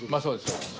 そうです